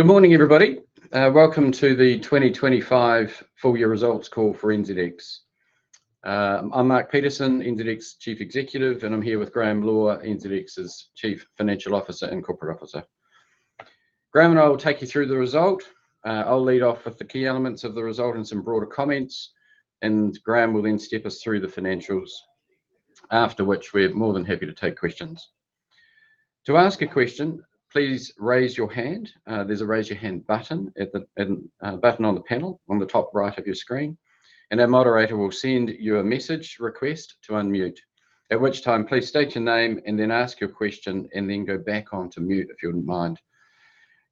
Good morning, everybody. Welcome to the 2025 full year results call for NZX. I'm Mark Peterson, NZX Chief Executive, and I'm here with Graham Law, NZX's Chief Financial Officer and Corporate Officer. Graham and I will take you through the result. I'll lead off with the key elements of the result and some broader comments, and Graham will then step us through the financials, after which we're more than happy to take questions. To ask a question, please raise your hand. There's a Raise Your Hand button a button on the panel on the top right of your screen, and our moderator will send you a message request to unmute. At which time, please state your name and then ask your question, and then go back onto mute, if you wouldn't mind.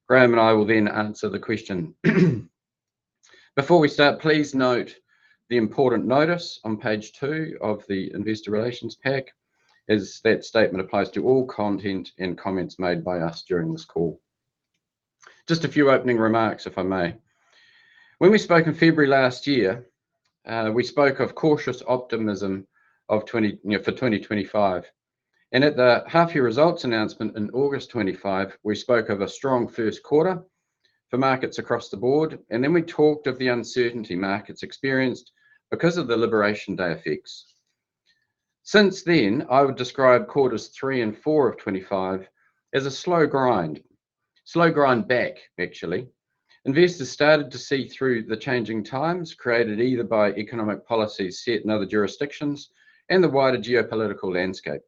Graham and I will then answer the question. Before we start, please note the important notice on page two of the Investor Relations pack, as that statement applies to all content and comments made by us during this call. Just a few opening remarks, if I may. When we spoke in February last year, we spoke of cautious optimism for 2025, and at the half-year results announcement in August of 2025, we spoke of a strong first quarter for markets across the board, and then we talked of the uncertainty markets experienced because of the Election Day effects. Since then, I would describe quarters 3 and 4 of 2025 as a slow grind back, actually. Investors started to see through the changing times, created either by economic policies set in other jurisdictions and the wider geopolitical landscape.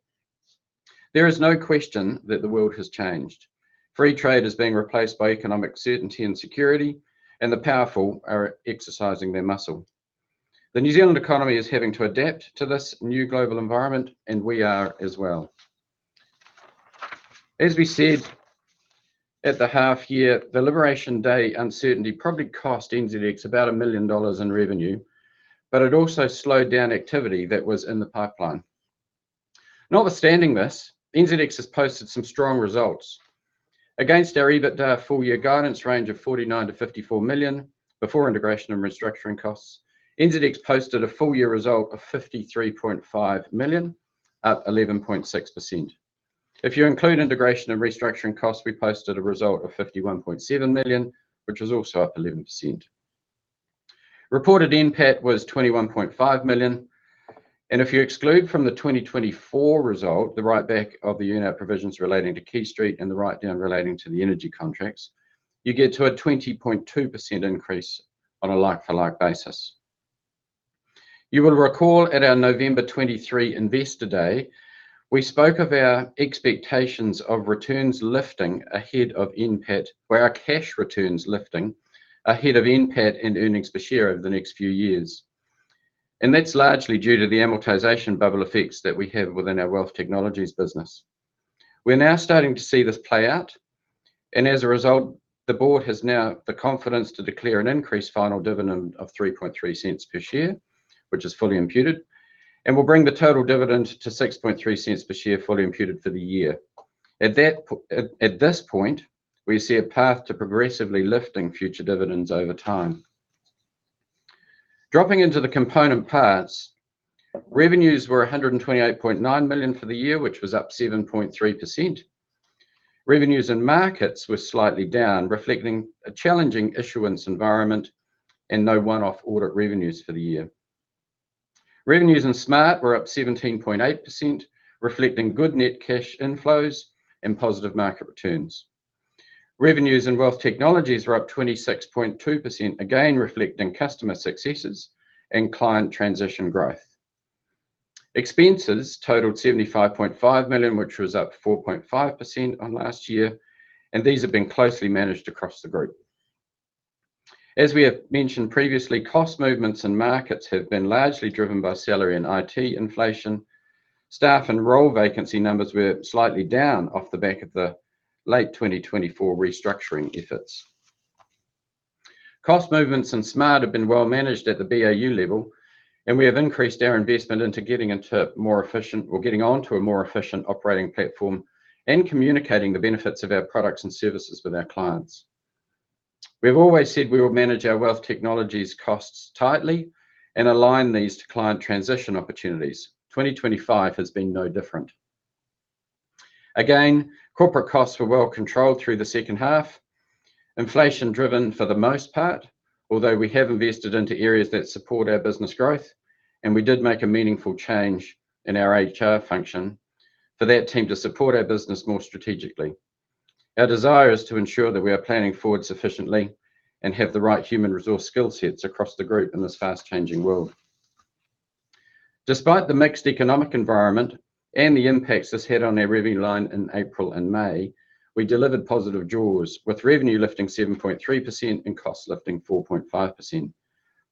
There is no question that the world has changed. Free trade is being replaced by economic certainty and security. The powerful are exercising their muscle. The New Zealand economy is having to adapt to this new global environment. We are as well. As we said at the half-year, the Election Day uncertainty probably cost NZX about 1 million dollars in revenue, but it also slowed down activity that was in the pipeline. Notwithstanding this, NZX has posted some strong results. Against our EBITDA full-year guidance range of 49 million-54 million, before integration and restructuring costs, NZX posted a full-year result of 53.5 million, up 11.6%. If you include integration and restructuring costs, we posted a result of 51.7 million, which is also up 11%. Reported NPAT was 21.5 million, and if you exclude from the 2024 result, the write-back of the earnout provisions relating to QuayStreet and the write-down relating to the energy contracts, you get to a 20.2% increase on a like-for-like basis. You will recall at our November 2023 Investor Day, we spoke of our expectations of returns lifting ahead of NPAT, where our cash return's lifting ahead of NPAT and earnings per share over the next few years, and that's largely due to the amortization bubble effects that we have within our wealth technologies business. We're now starting to see this play out, and as a result, the board has now the confidence to declare an increased final dividend of 0.033 per share, which is fully imputed, and will bring the total dividend to 0.063 per share, fully imputed for the year. At this point, we see a path to progressively lifting future dividends over time. Dropping into the component parts, revenues were 128.9 million for the year, which was up 7.3%. Revenues in Markets were slightly down, reflecting a challenging issuance environment and no one-off audit revenues for the year. Revenues in Smart were up 17.8%, reflecting good net cash inflows and positive market returns. Revenues in Wealth Technologies were up 26.2%, again, reflecting customer successes and client transition growth. Expenses totaled 75.5 million, which was up 4.5% on last year. These have been closely managed across the group. As we have mentioned previously, cost movements in markets have been largely driven by salary and IT inflation. Staff and role vacancy numbers were slightly down off the back of the late 2024 restructuring efforts. Cost movements in Smart have been well managed at the BAU level. We have increased our investment into getting onto a more efficient operating platform and communicating the benefits of our products and services with our clients. We've always said we will manage our Wealth Technologies costs tightly and align these to client transition opportunities. 2025 has been no different. Corporate costs were well controlled through the second half. Inflation-driven for the most part, although we have invested into areas that support our business growth, and we did make a meaningful change in our HR function for that team to support our business more strategically. Our desire is to ensure that we are planning forward sufficiently and have the right human resource skill sets across the group in this fast-changing world. Despite the mixed economic environment and the impacts this had on our revenue line in April and May, we delivered positive jaws, with revenue lifting 7.3% and costs lifting 4.5%.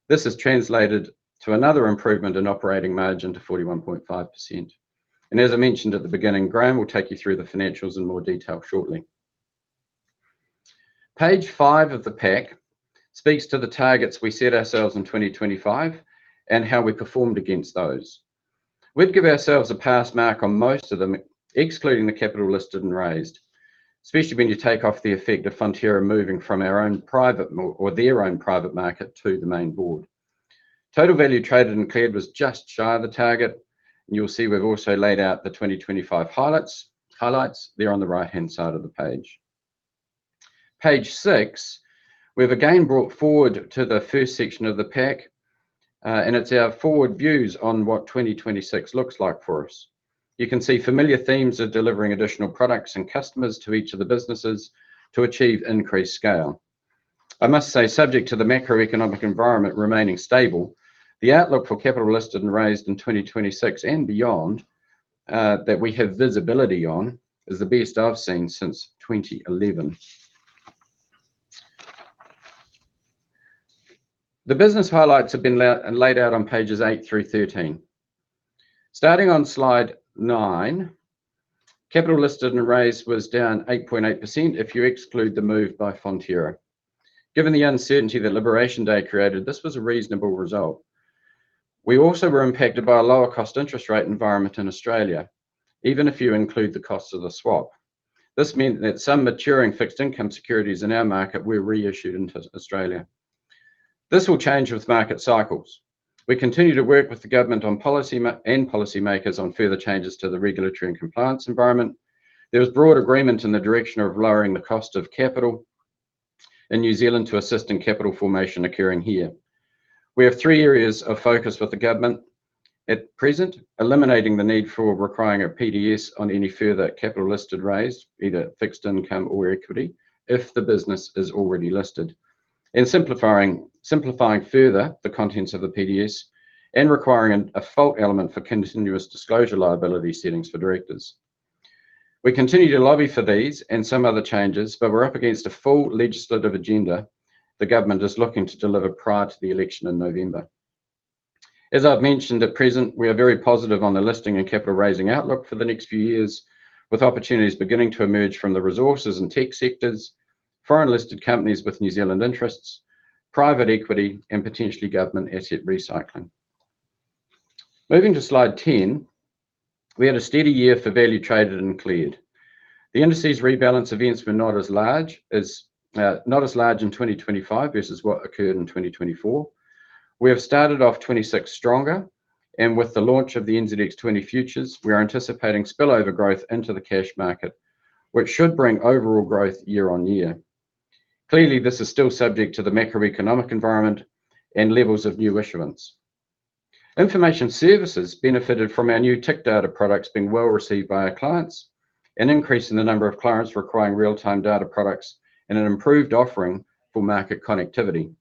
This has translated to another improvement in operating margin to 41.5%. As I mentioned at the beginning, Graham will take you through the financials in more detail shortly. Page five of the pack speaks to the targets we set ourselves in 2025 and how we performed against those. We'd give ourselves a pass mark on most of them, excluding the capital listed and raised, especially when you take off the effect of Fonterra moving from our own private or their own private market to the main board. Total value traded and cleared was just shy of the target, and you'll see we've also laid out the 2025 highlights. They're on the right-hand side of the page. Page six, we've again brought forward to the first section of the pack, and it's our forward views on what 2026 looks like for us. You can see familiar themes of delivering additional products and customers to each of the businesses to achieve increased scale. I must say, subject to the macroeconomic environment remaining stable, the outlook for capital listed and raised in 2026 and beyond, that we have visibility on, is the best I've seen since 2011. The business highlights have been laid out on pages eight through 13. Starting on Slide nine, capital listed and raised was down 8.8% if you exclude the move by Fonterra. Given the uncertainty that Election Day created, this was a reasonable result. We also were impacted by a lower cost interest rate environment in Australia, even if you include the cost of the swap. This meant that some maturing fixed income securities in our market were reissued into Australia. This will change with market cycles. We continue to work with the government and policymakers on further changes to the regulatory and compliance environment. There was broad agreement in the direction of lowering the cost of capital in New Zealand to assist in capital formation occurring here. We have three areas of focus with the government at present: eliminating the need for requiring a PDS on any further capital listed raise, either fixed income or equity, if the business is already listed. Simplifying further the contents of the PDS, and requiring a fault element for continuous disclosure liability settings for directors. We continue to lobby for these and some other changes, but we're up against a full legislative agenda the government is looking to deliver prior to the election in November. As I've mentioned, at present, we are very positive on the listing and capital raising outlook for the next few years, with opportunities beginning to emerge from the resources and tech sectors, foreign-listed companies with New Zealand interests, private equity, and potentially government asset recycling. Moving to Slide 10, we had a steady year for value traded and cleared. The indices rebalance events were not as large in 2025 as is what occurred in 2024. We have started off 2026 stronger, and with the launch of the NZX 20 Futures, we are anticipating spillover growth into the cash market, which should bring overall growth year-on-year. Clearly, this is still subject to the macroeconomic environment and levels of new issuance. Information services benefited from our new tick data products being well-received by our clients, an increase in the number of clients requiring real-time data products, and an improved offering for market connectivity.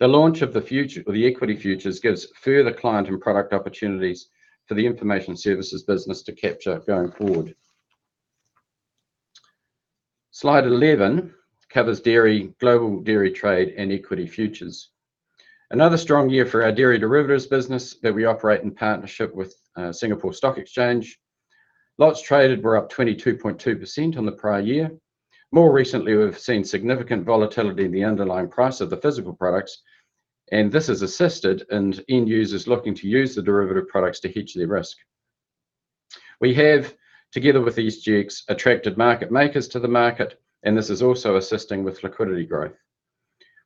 The launch of the equity futures gives further client and product opportunities for the information services business to capture going forward. Slide 11 covers dairy, Global Dairy Trade, and equity futures. Another strong year for our dairy derivatives business, that we operate in partnership with Singapore Exchange. Lots traded were up 22.2% on the prior year. More recently, we've seen significant volatility in the underlying price of the physical products, and this has assisted end users looking to use the derivative products to hedge their risk. We have, together with SGX, attracted market makers to the market, and this is also assisting with liquidity growth.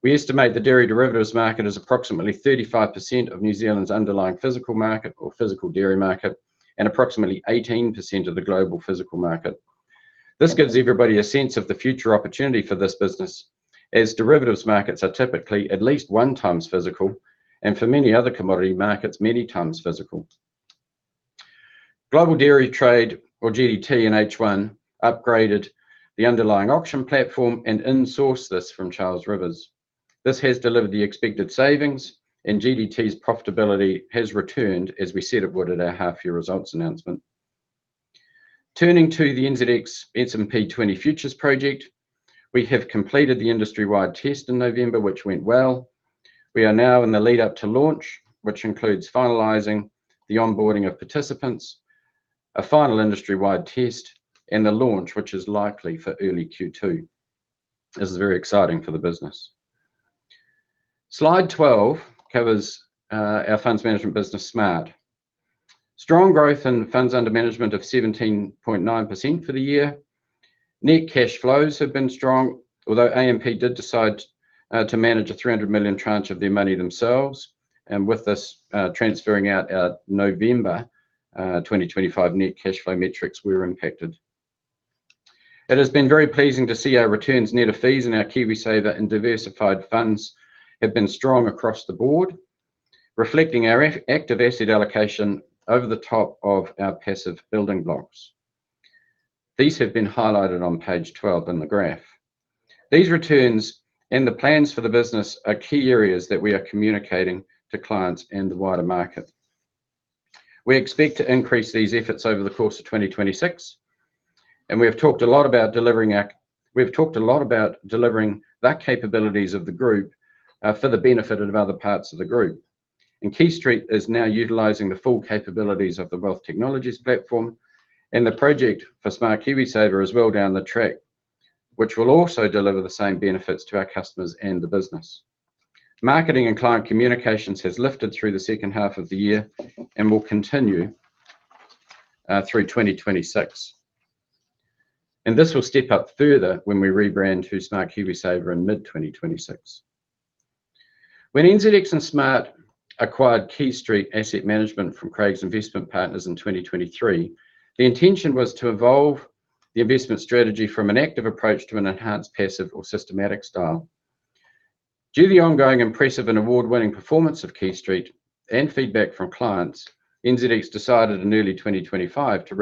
We estimate the dairy derivatives market is approximately 35% of New Zealand's underlying physical market or physical dairy market, and approximately 18% of the global physical market. This gives everybody a sense of the future opportunity for this business, as derivatives markets are typically at least 1 times physical, and for many other commodity markets, many times physical. Global Dairy Trade, or GDT, in H1, upgraded the underlying auction platform and insourced this from Charles River. This has delivered the expected savings, and GDT's profitability has returned, as we said it would, at our half-year results announcement. Turning to the NZX S&P 20 Futures project, we have completed the industry-wide test in November, which went well. We are now in the lead-up to launch, which includes finalizing the onboarding of participants, a final industry-wide test, and the launch, which is likely for early Q2. This is very exciting for the business. Slide 12 covers our funds management business, Smart. Strong growth in funds under management of 17.9% for the year. Net cash flows have been strong, although AMP did decide to manage a 300 million tranche of their money themselves, and with this transferring out at November 2025, net cash flow metrics were impacted. It has been very pleasing to see our returns net of fees in our KiwiSaver and diversified funds have been strong across the board, reflecting our active asset allocation over the top of our passive building blocks. These have been highlighted on page 12 in the graph. These returns and the plans for the business are key areas that we are communicating to clients and the wider market. We expect to increase these efforts over the course of 2026. We have talked a lot about delivering the capabilities of the group for the benefit of other parts of the group. QuayStreet is now utilizing the full capabilities of the Wealth Technologies platform, and the project for Smart KiwiSaver is well down the track, which will also deliver the same benefits to our customers and the business. Marketing and client communications has lifted through the second half of the year and will continue through 2026. This will step up further when we rebrand to Smart KiwiSaver in mid-2026. When NZX and Smart acquired QuayStreet Asset Management from Craigs Investment Partners in 2023, the intention was to evolve the investment strategy from an active approach to an enhanced passive or systematic style. Due to the ongoing impressive and award-winning performance of QuayStreet and feedback from clients, NZX decided in early 2025 to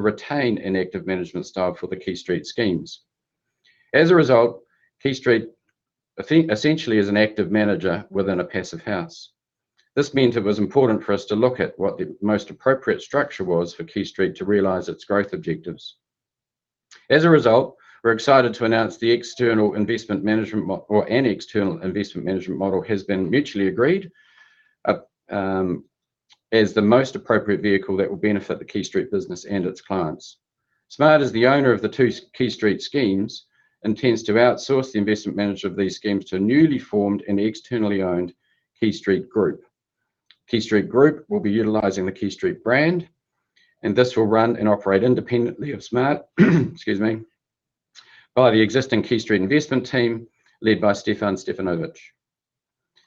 retain an active management style for the QuayStreet schemes. As a result, QuayStreet essentially is an active manager within a passive house. This meant it was important for us to look at what the most appropriate structure was for QuayStreet to realize its growth objectives. As a result, we're excited to announce the external investment management model has been mutually agreed as the most appropriate vehicle that will benefit the QuayStreet business and its clients. Smart, as the owner of the two QuayStreet schemes, intends to outsource the investment manager of these schemes to a newly formed and externally owned QuayStreet Group. QuayStreet Group will be utilizing the QuayStreet brand. This will run and operate independently of Smart by the existing QuayStreet investment team, led by Stefan Stevanovic.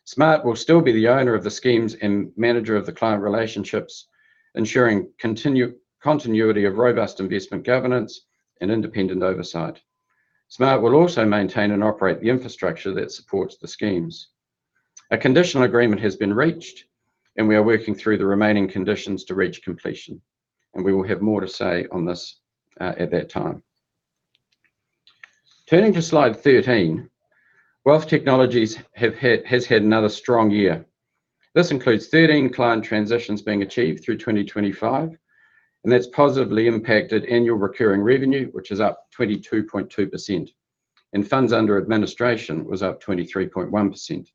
Smart will still be the owner of the schemes and manager of the client relationships, ensuring continuity of robust investment governance and independent oversight. Smart will also maintain and operate the infrastructure that supports the schemes. A conditional agreement has been reached. We are working through the remaining conditions to reach completion. We will have more to say on this at that time. Turning to slide 13, Wealth Technologies has had another strong year. This includes 13 client transitions being achieved through 2025. That's positively impacted Annual Recurring Revenue, which is up 22.2%. Funds Under Administration was up 23.1%.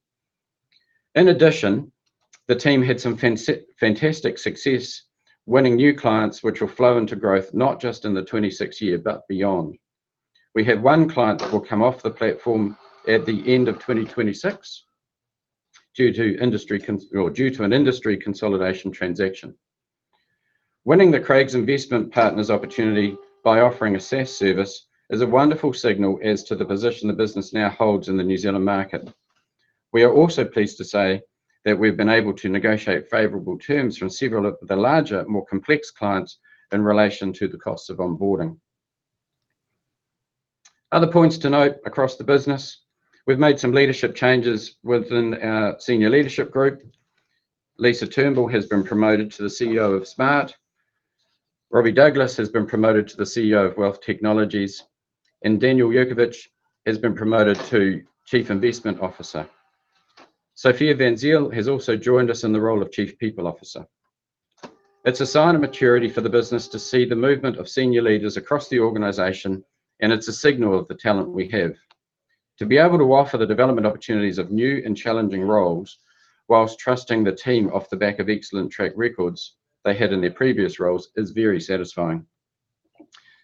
In addition, the team had some fantastic success winning new clients, which will flow into growth not just in the 2026 year, but beyond. We have one client that will come off the platform at the end of 2026 due to an industry consolidation transaction. Winning the Craigs Investment Partners opportunity by offering a SaaS service is a wonderful signal as to the position the business now holds in the New Zealand market. We are also pleased to say that we've been able to negotiate favorable terms from several of the larger, more complex clients in relation to the cost of onboarding. Other points to note across the business, we've made some leadership changes within our senior leadership group. Lisa Turnbull has been promoted to the CEO of Smart. Robbie Douglas has been promoted to the CEO of Wealth Technologies, Daniel Juchnowicz has been promoted to Chief Information Officer. Sophia van Zijl has also joined us in the role of Chief People Officer. It's a sign of maturity for the business to see the movement of senior leaders across the organization, and it's a signal of the talent we have. To be able to offer the development opportunities of new and challenging roles, whilst trusting the team off the back of excellent track records they had in their previous roles, is very satisfying.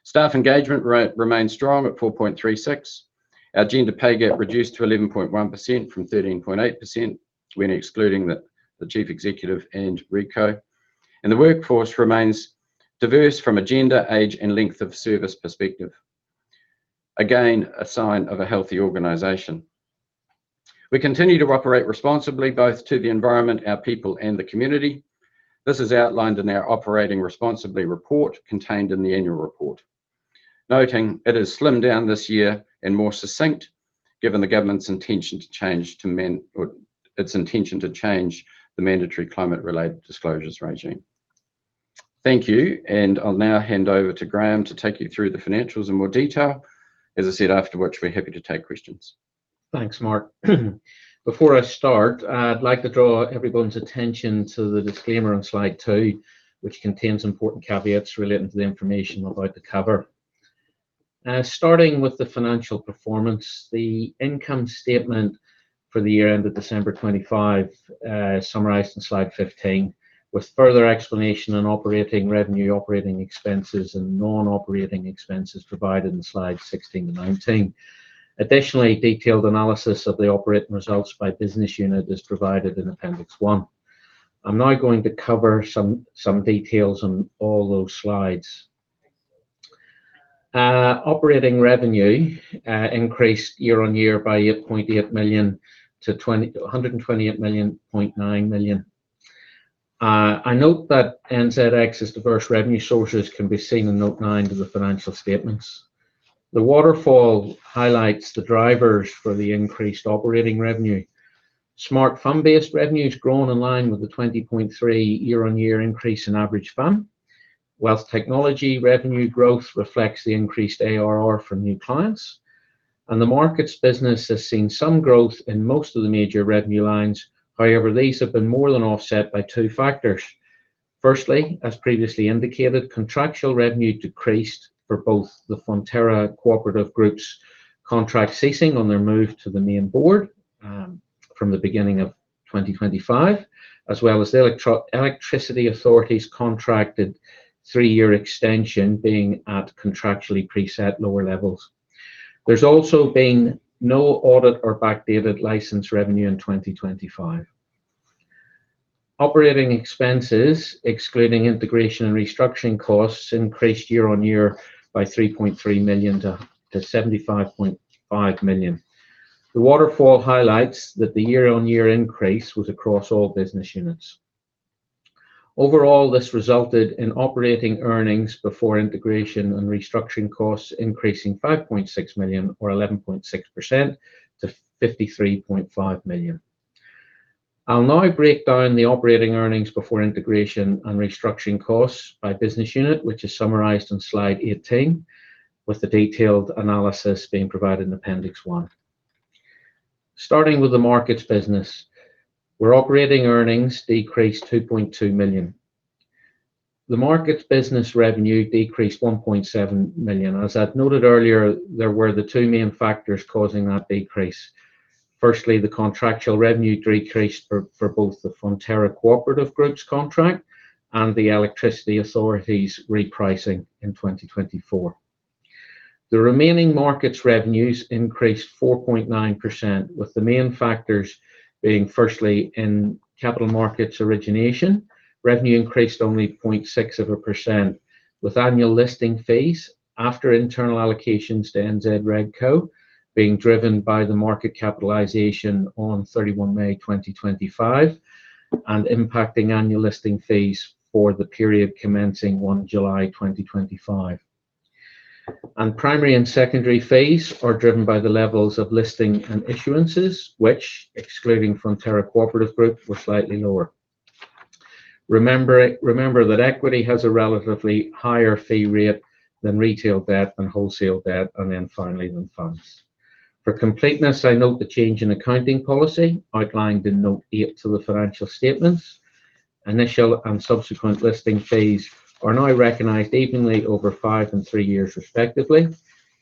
Staff engagement remains strong at 4.36. Our gender pay gap reduced to 11.1% from 13.8%, when excluding the Chief Executive and Rico. The workforce remains diverse from a gender, age, and length of service perspective. Again, a sign of a healthy organization. We continue to operate responsibly, both to the environment, our people, and the community. This is outlined in our Operating Responsibly report contained in the annual report. Noting it is slimmed down this year and more succinct, given the government's intention to change the mandatory climate-related disclosures regime. Thank you. I'll now hand over to Graham to take you through the financials in more detail. As I said, afterwards, we're happy to take questions. Thanks, Mark. Before I start, I'd like to draw everyone's attention to the disclaimer on slide two, which contains important caveats relating to the information I'm about to cover. Starting with the financial performance, the income statement for the year ended December 25, summarized in slide 15, with further explanation on operating revenue, operating expenses, and non-operating expenses provided in slides 16 to 19. Additionally, detailed analysis of the operating results by business unit is provided in appendix 1. I'm now going to cover some details on all those slides. Operating revenue increased year-on-year by 8.8 million to 128.9 million. I note that NZX's diverse revenue sources can be seen in note 9 to the financial statements. The waterfall highlights the drivers for the increased operating revenue. Smart fund-based revenue has grown in line with the 20.3% year-on-year increase in average fund, whilst technology revenue growth reflects the increased ARR from new clients. The markets business has seen some growth in most of the major revenue lines. However, these have been more than offset by two factors. Firstly, as previously indicated, contractual revenue decreased for both the Fonterra Co-operative Group's contract ceasing on their move to the main board, from the beginning of 2025, as well as the Electricity Authority's contracted three-year extension being at contractually preset lower levels. There's also been no audit or backdated license revenue in 2025. Operating expenses, excluding integration and restructuring costs, increased year-on-year by 3.3 million to 75.5 million. The waterfall highlights that the year-on-year increase was across all business units. Overall, this resulted in operating earnings before integration and restructuring costs increasing 5.6 million, or 11.6% to 53.5 million. I'll now break down the operating earnings before integration and restructuring costs by business unit, which is summarized on slide 18, with the detailed analysis being provided in Appendix 1. Starting with the markets business, where operating earnings decreased 2.2 million. The markets business revenue decreased 1.7 million. As I'd noted earlier, there were the two main factors causing that decrease. Firstly, the contractual revenue decreased for both the Fonterra Co-operative Group's contract and the Electricity Authority's repricing in 2024. The remaining markets revenues increased 4.9%, with the main factors being, firstly, in capital markets origination. Revenue increased only 0.6%, with annual listing fees after internal allocations to NZ RegCo being driven by the market capitalization on 31 May 2025, and impacting annual listing fees for the period commencing 1 July 2025. Primary and secondary fees are driven by the levels of listing and issuances, which excluding Fonterra Co-operative Group, were slightly lower. Remember that equity has a relatively higher fee rate than retail debt and wholesale debt, and then finally, than funds. For completeness, I note the change in accounting policy outlined in Note 8 to the financial statements. Initial and subsequent listing fees are now recognized evenly over five and three years, respectively.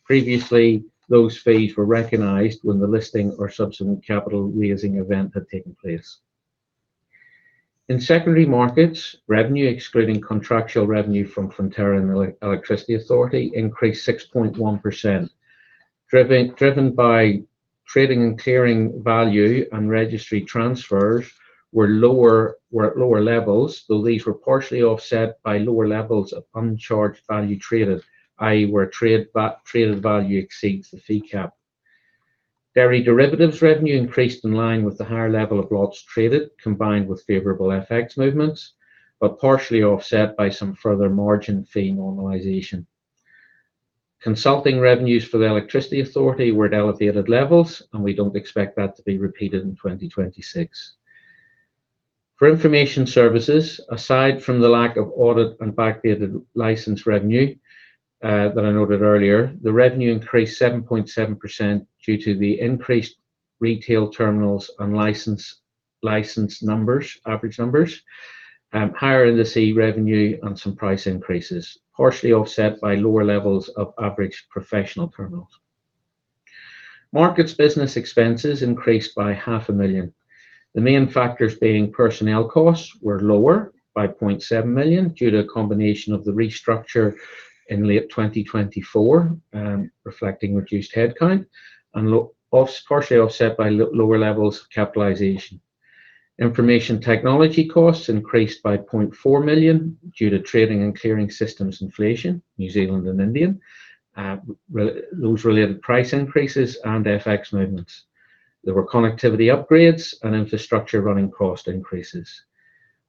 Previously, those fees were recognized when the listing or subsequent capital raising event had taken place. In secondary markets, revenue excluding contractual revenue from Fonterra and the Electricity Authority increased 6.1%, driven by trading and clearing value, and registry transfers were at lower levels, though these were partially offset by lower levels of uncharged value traded, i.e., where traded value exceeds the fee cap. Dairy derivatives revenue increased in line with the higher level of lots traded, combined with favorable FX movements, partially offset by some further margin fee normalization. Consulting revenues for the Electricity Authority were at elevated levels, we don't expect that to be repeated in 2026. For information services, aside from the lack of audit and backdated license revenue, that I noted earlier, the revenue increased 7.7% due to the increased retail terminals and license numbers, average numbers, higher in the C revenue and some price increases, partially offset by lower levels of average professional terminals. Markets business expenses increased by 0.5 million. The main factors being personnel costs were lower by 0.7 million, due to a combination of the restructure in late 2024, reflecting reduced headcount and partially offset by lower levels of capitalization. Information technology costs increased by 0.4 million due to trading and clearing systems inflation, New Zealand and Indian. Those related price increases and FX movements. There were connectivity upgrades and infrastructure running cost increases.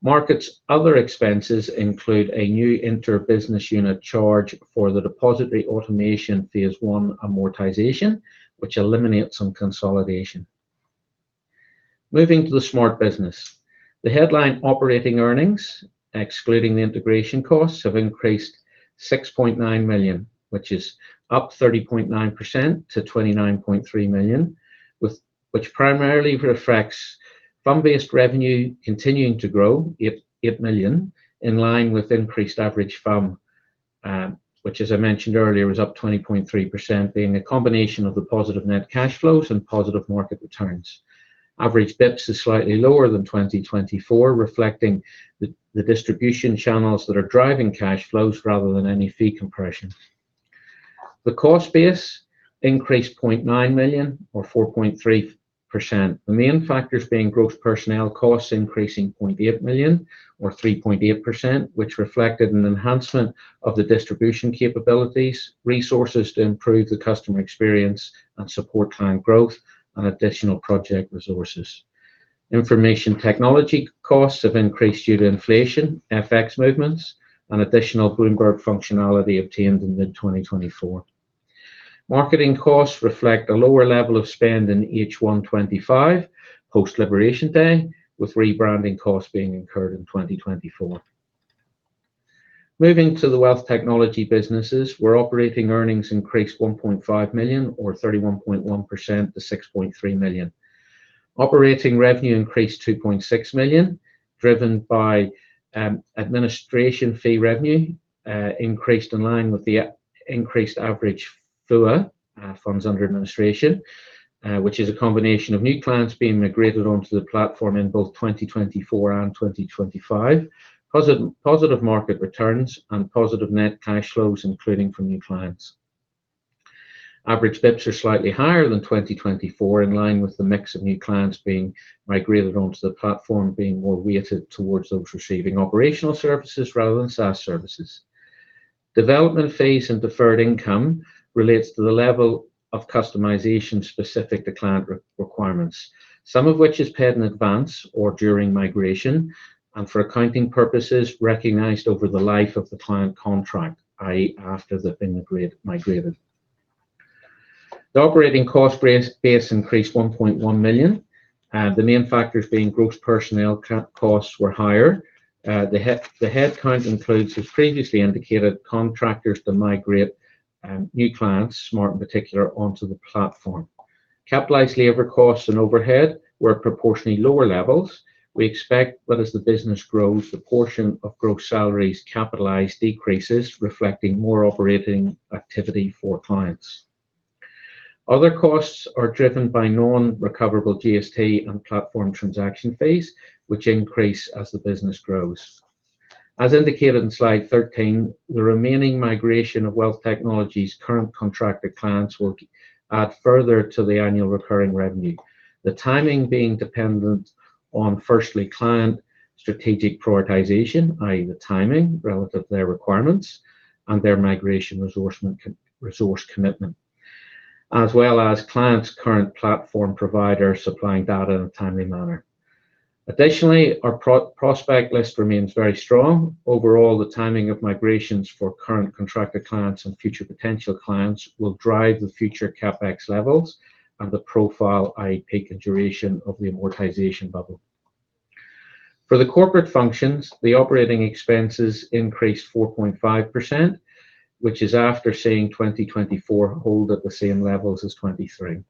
Markets' other expenses include a new interbusiness unit charge for the depository automation phase one amortization, which eliminates some consolidation. Moving to the Smart business. The headline operating earnings, excluding the integration costs, have increased 6.9 million, which is up 30.9% to 29.3 million, which primarily reflects fund-based revenue continuing to grow 8 million, in line with increased average FUM, which, as I mentioned earlier, was up 20.3%, being a combination of the positive net cash flows and positive market returns. Average BIPS is slightly lower than 2024, reflecting the distribution channels that are driving cash flows rather than any fee compression. The cost base increased 0.9 million or 4.3%. The main factors being gross personnel costs increasing 0.8 million or 3.8%, which reflected an enhancement of the distribution capabilities, resources to improve the customer experience and support client growth, and additional project resources. Information technology costs have increased due to inflation, FX movements, and additional Bloomberg functionality obtained in mid-2024. Marketing costs reflect a lower level of spend in H1 2025, post Liberation Day, with rebranding costs being incurred in 2024. Moving to the wealth technology businesses, where operating earnings increased 1.5 million or 31.1% to 6.3 million. Operating revenue increased 2.6 million, driven by administration fee revenue, increased in line with the increased average FUA, Funds Under Administration, which is a combination of new clients being migrated onto the platform in both 2024 and 2025, positive market returns and positive net cash flows, including from new clients. Average BIPS are slightly higher than 2024, in line with the mix of new clients being migrated onto the platform, being more weighted towards those receiving operational services rather than SaaS services. Development phase and deferred income relates to the level of customization specific to client requirements. Some of which is paid in advance or during migration, and for accounting purposes, recognized over the life of the client contract, i.e., after they've been migrated. The operating cost base increased 1.1 million, the main factors being gross personnel co-costs were higher. The headcount includes, as previously indicated, contractors to migrate new clients, Smart in particular, onto the platform. Capitalized labor costs and overhead were proportionally lower levels. We expect that as the business grows, the portion of gross salaries capitalized decreases, reflecting more operating activity for clients. Other costs are driven by non-recoverable GST and platform transaction fees, which increase as the business grows. As indicated in slide 13, the remaining migration of Wealth Technology's current contracted clients will add further to the annual recurring revenue. The timing being dependent on, firstly, client strategic prioritization, i.e., the timing relative to their requirements and their migration resource commitment, as well as clients' current platform provider supplying data in a timely manner. Additionally, our prospect list remains very strong. The timing of migrations for current contracted clients and future potential clients will drive the future CapEx levels and the profile, i.e., peak and duration of the amortization bubble. For the corporate functions, the OpEx increased 4.5%, which is after seeing 2024 hold at the same levels as 2023.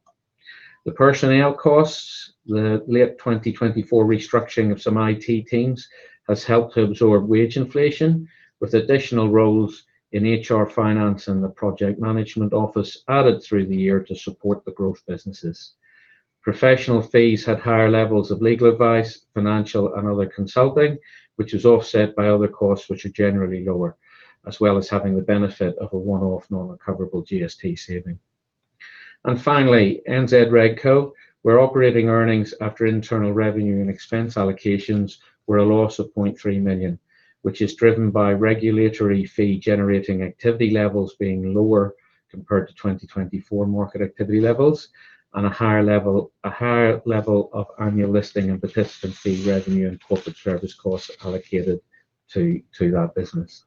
The personnel costs, the late 2024 restructuring of some IT teams has helped to absorb wage inflation, with additional roles in HR, finance, and the project management office added through the year to support the growth businesses. Professional fees had higher levels of legal advice, financial and other consulting, which is offset by other costs which are generally lower, as well as having the benefit of a one-off non-recoverable GST saving. Finally, NZ RegCo, where operating earnings after internal revenue and expense allocations were a loss of 0.3 million, which is driven by regulatory fee-generating activity levels being lower compared to 2024 market activity levels, and a higher level of annual listing and participant fee revenue and corporate service costs allocated to that business.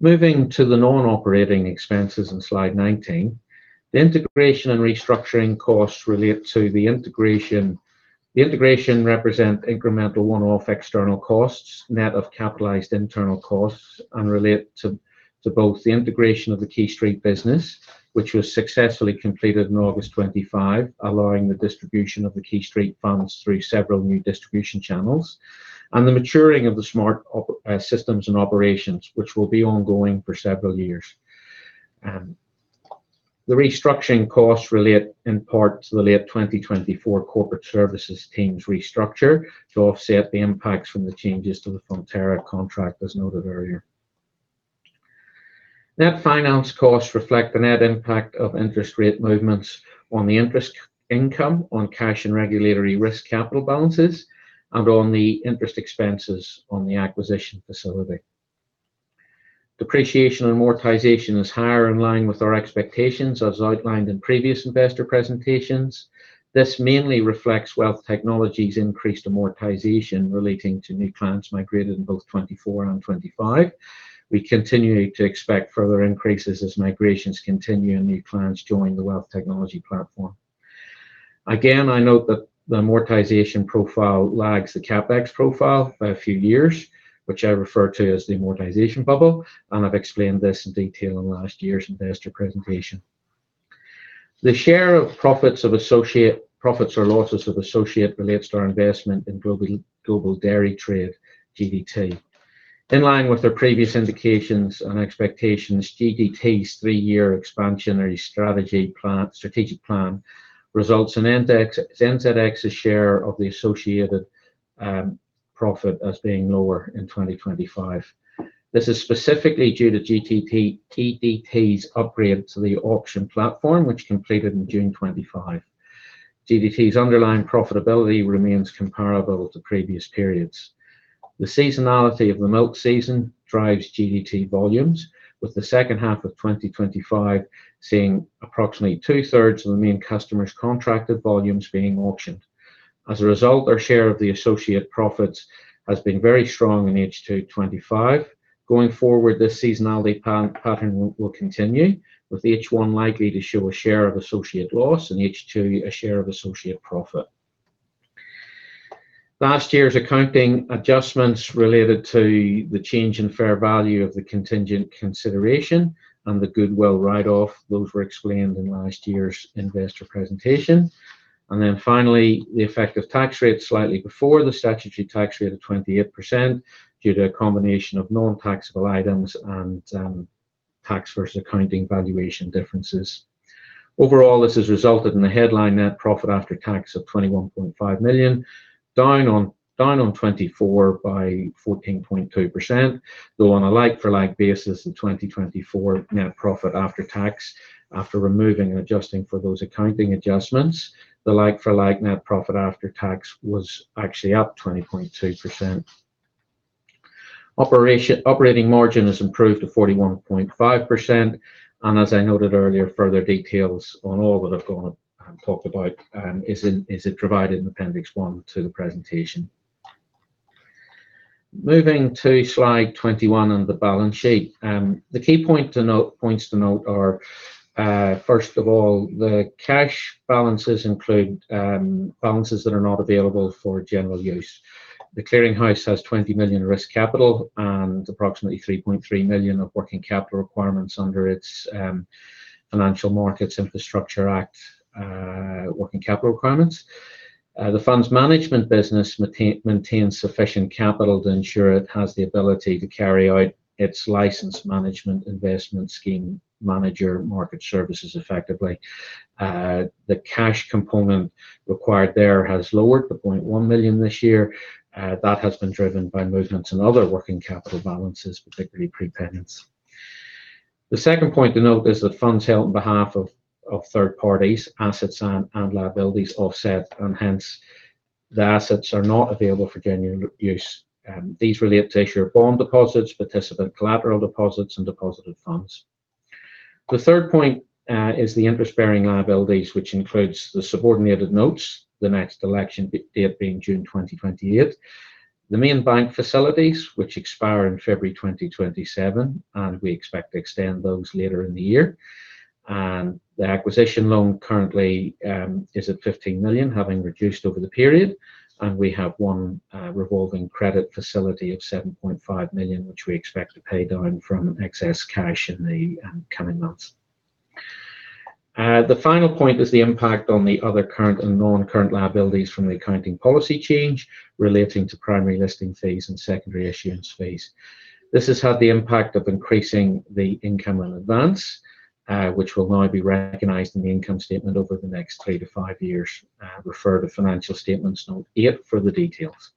Moving to the non-operating expenses in slide 19. The integration and restructuring costs relate to the integration. The integration represent incremental one-off external costs, net of capitalized internal costs, and relate to both the integration of the Quay Street business, which was successfully completed in August 2025, allowing the distribution of the Quay Street funds through several new distribution channels, and the maturing of the Smart systems and operations, which will be ongoing for several years. The restructuring costs relate in part to the late 2024 corporate services teams restructure to offset the impacts from the changes to the Fonterra contract, as noted earlier. Net finance costs reflect the net impact of interest rate movements on the interest income, on cash and regulatory risk capital balances, and on the interest expenses on the acquisition facility. Depreciation and amortization is higher in line with our expectations, as outlined in previous investor presentations. This mainly reflects Wealth Technology's increased amortization relating to new clients migrated in both 24 and 25. We continue to expect further increases as migrations continue and new clients join the Wealth Technology platform. I note that the amortization profile lags the CapEx profile by a few years, which I refer to as the amortization bubble, and I've explained this in detail in last year's investor presentation. The share of profits or losses of associate relates to our investment in Global Dairy Trade, GDT. In line with their previous indications and expectations, GDT's 3-year expansionary strategic plan results in NZX's share of the associated profit as being lower in 2025. This is specifically due to GDT's upgrade to the auction platform, which completed in June 2025. GDT's underlying profitability remains comparable to previous periods. The seasonality of the milk season drives GDT volumes, with the second half of 2025 seeing approximately two-thirds of the main customers' contracted volumes being auctioned. As a result, our share of the associate profits has been very strong in H2 2025. Going forward, this seasonality pattern will continue, with H1 likely to show a share of associate loss and H2 a share of associate profit. Last year's accounting adjustments related to the change in fair value of the contingent consideration and the goodwill write-off, those were explained in last year's investor presentation. Finally, the effective tax rate slightly before the statutory tax rate of 28%, due to a combination of non-taxable items and tax versus accounting valuation differences. Overall, this has resulted in a headline Net Profit After Tax of 21.5 million, down on 2024 by 14.2%, though on a like-for-like basis in 2024, Net Profit After Tax. After removing and adjusting for those accounting adjustments, the like-for-like Net Profit After Tax was actually up 20.2%. Operating margin has improved to 41.5%. As I noted earlier, further details on all that I've gone and talked about is provided in Appendix 1 to the presentation. Moving to slide 21 and the balance sheet. The key points to note are, first of all, the cash balances include balances that are not available for general use. The clearing house has 20 million risk capital and approximately 3.3 million of working capital requirements under its Financial Market Infrastructures Act 2021 working capital requirements. The funds management business maintains sufficient capital to ensure it has the ability to carry out its license management, investment scheme, manager market services effectively. The cash component required there has lowered to 0.1 million this year. That has been driven by movements in other working capital balances, particularly prepayments. The second point to note is that funds held on behalf of third parties, assets and liabilities offset, and hence the assets are not available for general use. These relate to share bond deposits, participant collateral deposits, and deposited funds. The third point is the interest-bearing liabilities, which includes the subordinated notes, the next election date being June 28th. The main bank facilities, which expire in February 2027, and we expect to extend those later in the year. The acquisition loan currently is at 15 million, having reduced over the period, and we have one revolving credit facility of 7.5 million which we expect to pay down from excess cash in the coming months. The final point is the impact on the other current and non-current liabilities from the accounting policy change relating to primary listing fees and secondary issuance fees. This has had the impact of increasing the income in advance, which will now be recognized in the income statement over the next 3-5 years. Refer to financial statements note 8 for the details.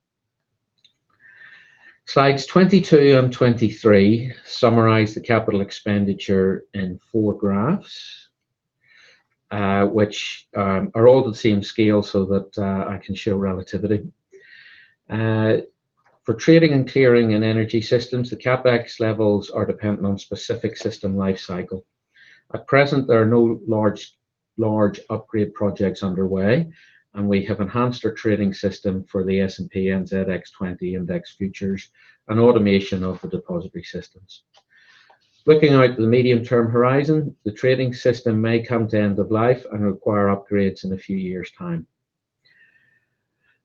Slides 22 and 23 summarize the capital expenditure in 4 graphs, which are all the same scale so that I can show relativity. For trading and clearing and energy systems, the CapEx levels are dependent on specific system life cycle. At present, there are no large upgrade projects underway, and we have enhanced our trading system for the S&P/NZX 20 Index Futures and automation of the depository systems. Looking out the medium-term horizon, the trading system may come to end of life and require upgrades in a few years' time.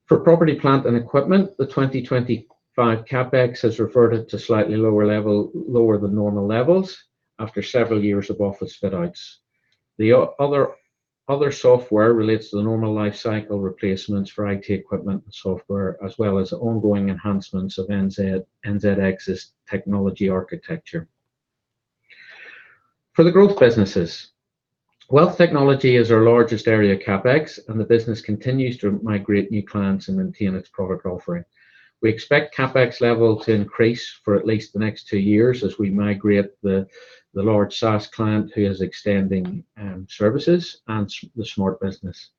For property, plant, and equipment, the 2025 CapEx has reverted to slightly lower level, lower than normal levels after several years of office fit outs. The other software relates to the normal life cycle replacements for IT equipment and software, as well as ongoing enhancements of NZX's technology architecture. For the growth businesses, wealth technology is our largest area CapEx, and the business continues to migrate new clients and maintain its product offering. We expect CapEx level to increase for at least the next two years as we migrate the large SaaS client, who is extending services and the Smart business,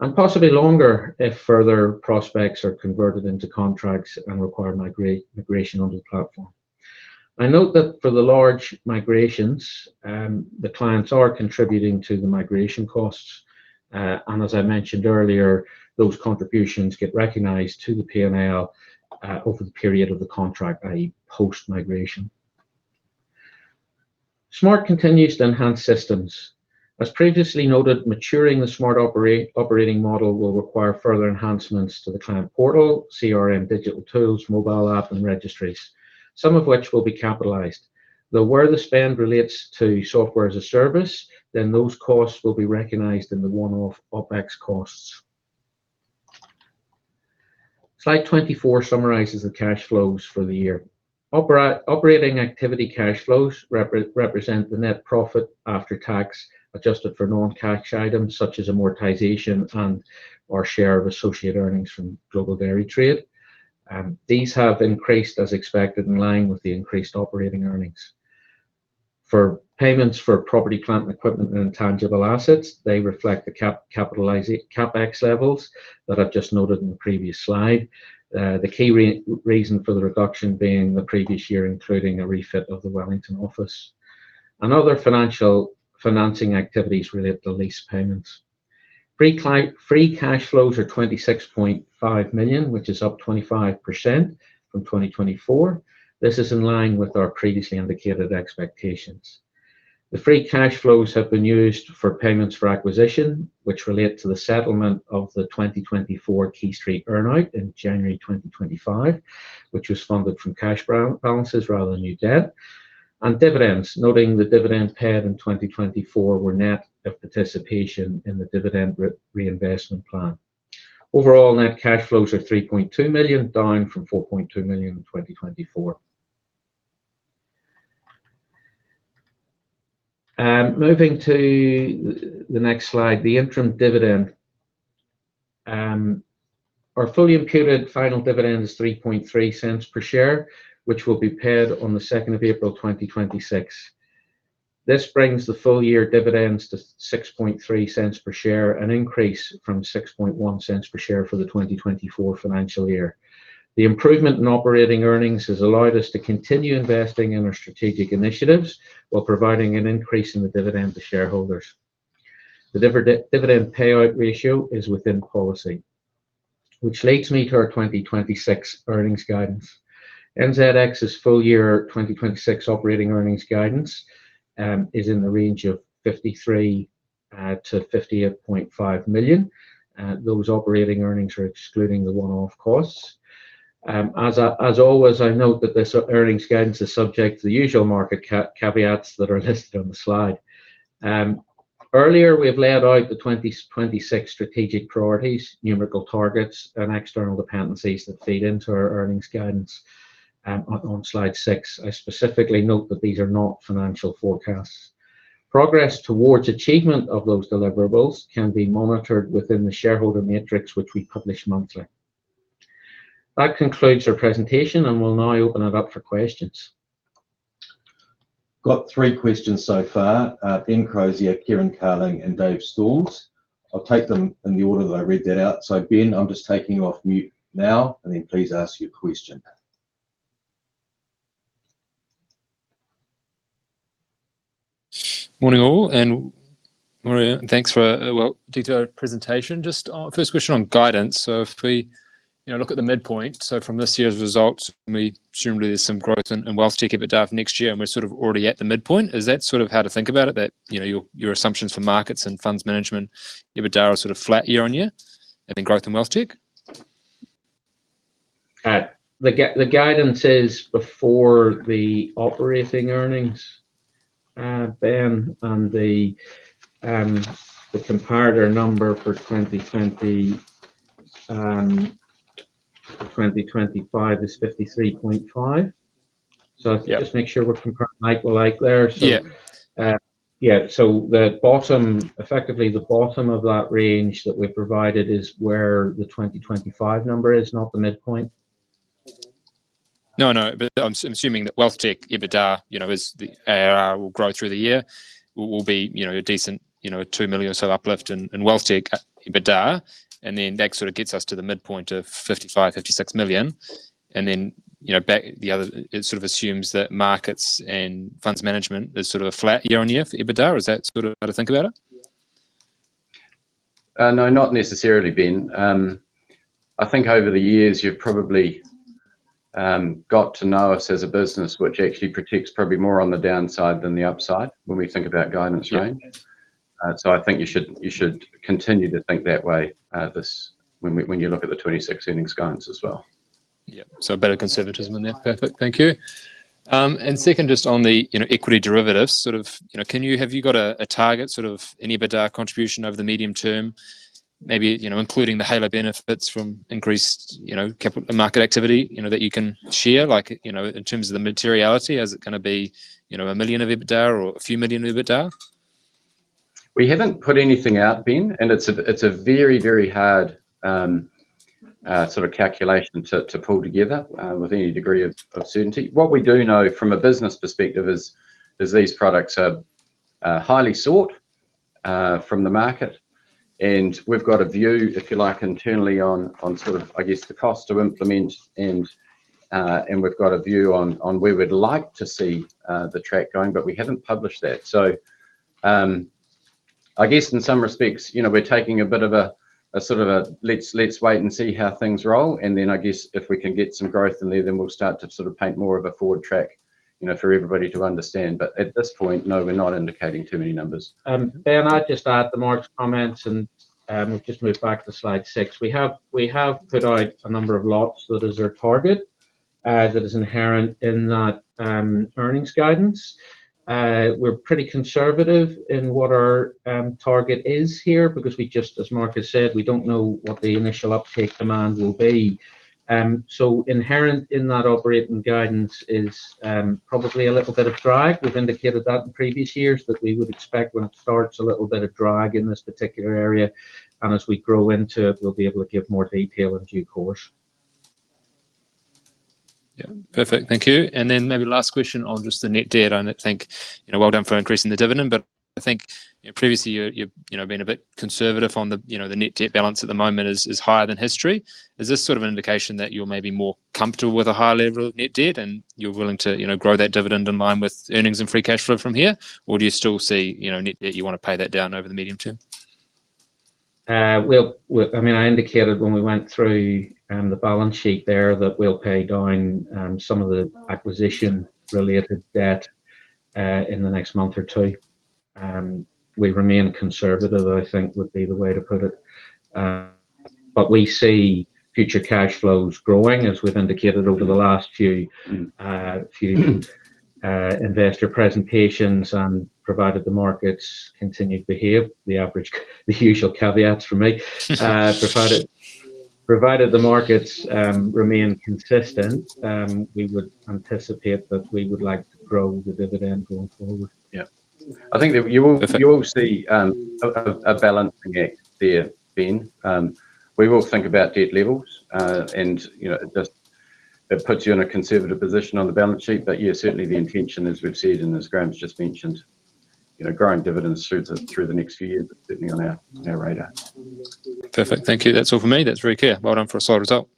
and possibly longer if further prospects are converted into contracts and require migration on the platform. I note that for the large migrations, the clients are contributing to the migration costs, and as I mentioned earlier, those contributions get recognized to the P&L over the period of the contract, i.e., post-migration. Smart continues to enhance systems. As previously noted, maturing the Smart operating model will require further enhancements to the client portal, CRM, digital tools, mobile app, and registries, some of which will be capitalized. Where the spend relates to software as a service, then those costs will be recognized in the one-off OpEx costs. Slide 24 summarizes the cash flows for the year. Operating activity cash flows represent the net profit after tax, adjusted for non-cash items such as amortization and our share of associate earnings from Global Dairy Trade. These have increased as expected, in line with the increased operating earnings. For payments for property, plant, and equipment, and intangible assets, they reflect the CapEx levels that I've just noted in the previous slide. The key reason for the reduction being the previous year, including a refit of the Wellington office. Other financing activities relate to lease payments. Free cash flows are 26.5 million, which is up 25% from 2024. This is in line with our previously indicated expectations. The free cash flows have been used for payments for acquisition, which relate to the settlement of the 2024 QuayStreet earnout in January 2025, which was funded from cash balances rather than new debt, and dividends, noting the dividends paid in 2024 were net of participation in the dividend reinvestment plan. Overall, net cash flows are 3.2 million, down from 4.2 million in 2024. Moving to the next slide, the interim dividend. Our fully imputed final dividend is 0.033 per share, which will be paid on the 2nd of April, 2026. This brings the full year dividends to 0.063 per share, an increase from 0.061 per share for the 2024 financial year. The improvement in operating earnings has allowed us to continue investing in our strategic initiatives, while providing an increase in the dividend to shareholders. The dividend payout ratio is within policy, which leads me to our 2026 earnings guidance. NZX's full year 2026 operating earnings guidance is in the range of 53 million-58.5 million. Those operating earnings are excluding the one-off costs. As always, I note that this earnings guidance is subject to the usual market caveats that are listed on the slide. We have laid out the 2026 strategic priorities, numerical targets, and external dependencies that feed into our earnings guidance on slide six. I specifically note that these are not financial forecasts. Progress towards achievement of those deliverables can be monitored within the shareholder matrix, which we publish monthly. That concludes our presentation. We'll now open it up for questions. Got three questions so far. Ben Crozier, Kieran Carling, and Dave Storms. I'll take them in the order that I read that out. Ben, I'm just taking you off mute now, and then please ask your question. Morning, all, and morning, and thanks for a well detailed presentation. Just, first question on guidance. If we, you know, look at the midpoint, so from this year's results, we presumably there's some growth and Wealthtech EBITDA for next year, and we're sort of already at the midpoint. Is that sort of how to think about it, that, you know, your assumptions for markets and funds management, EBITDA are sort of flat year on year, and then growth and Wealthtech? The guidance is before the operating earnings, Ben, the comparator number for 2025 is 53.5. Just make sure we're comparing like to like there. Yeah, effectively, the bottom of that range that we've provided is where the 2025 number is, not the midpoint. No, no, I'm assuming that Wealthtech EBITDA, you know, is the, will grow through the year, will be, you know, a decent, you know, 2 million or so uplift in Wealthtech EBITDA. That sort of gets us to the midpoint of 55 million-56 million, you know, back the other, it sort of assumes that markets and funds management is sort of a flat year-on-year for EBITDA. Is that sort of how to think about it? No, not necessarily, Ben. I think over the years, you've probably got to know us as a business, which actually protects probably more on the downside than the upside when we think about guidance range. I think you should continue to think that way, when you look at the 2026 earnings guidance as well. Yeah. A bit of conservatism in there. Perfect. Thank you. Second, just on the, you know, equity derivatives, sort of, you know, have you got a target, sort of, an EBITDA contribution over the medium term, maybe, you know, including the halo benefits from increased, you know, market activity, you know, that you can share? Like, you know, in terms of the materiality, is it gonna be, you know, 1 million of EBITDA or a few million NZD of EBITDA? We haven't put anything out, Ben. It's a very, very hard sort of calculation to pull together with any degree of certainty. What we do know from a business perspective is these products are highly sought from the market, and we've got a view, if you like, internally on sort of, I guess, the cost to implement, and we've got a view on where we'd like to see the track going, but we haven't published that. I guess in some respects, you know, we're taking a bit of a sort of a let's wait and see how things roll, and then I guess if we can get some growth in there, then we'll start to sort of paint more of a forward track, you know, for everybody to understand. At this point, no, we're not indicating too many numbers. Ben, I'd just add to Mark's comments. We've just moved back to slide six. We have put out a number of lots that is our target, that is inherent in that earnings guidance. We're pretty conservative in what our target is here because we just, as Mark has said, we don't know what the initial uptake demand will be. Inherent in that operating guidance is probably a little bit of drag. We've indicated that in previous years that we would expect when it starts a little bit of drag in this particular area, and as we grow into it, we'll be able to give more detail in due course. Yeah. Perfect. Thank you. Maybe last question on just the net debt. I think, you know, well done for increasing the dividend, but I think previously you've, you know, been a bit conservative on the, you know, the net debt balance at the moment is higher than history. Is this sort of an indication that you're maybe more comfortable with a higher level of net debt, and you're willing to, you know, grow that dividend in line with earnings and free cash flow from here? Do you still see, you know, net debt, you wanna pay that down over the medium term? Well, well, I mean, I indicated when we went through the balance sheet there, that we'll pay down some of the acquisition-related debt in the next month or two. We remain conservative, I think, would be the way to put it. We see future cash flows growing, as we've indicated over the last few investor presentations, and provided the markets continue to behave, the usual caveats from me. Provided the markets remain consistent, we would anticipate that we would like to grow the dividend going forward. Yeah. I think that you will see a balancing act there, Ben. We will think about debt levels, and, you know, it puts you in a conservative position on the balance sheet. Yeah, certainly the intention, as we've said, and as Graham's just mentioned, you know, growing dividends through the next few years is definitely on our radar. Perfect. Thank you. That's all for me. That's very clear. Well done for a solid result.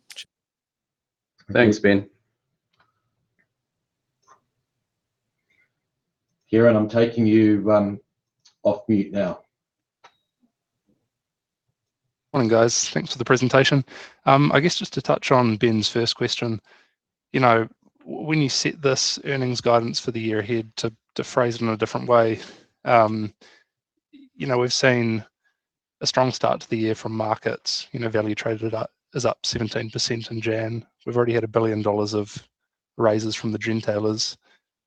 Thanks, Ben. Kieran, I'm taking you off mute now. Morning, guys. Thanks for the presentation. I guess just to touch on Ben's first question, you know, when you set this earnings guidance for the year ahead, to phrase it in a different way, you know, we've seen a strong start to the year from markets. You know, value traded up is up 17% in January. We've already had $1 billion of raises from the gentailers.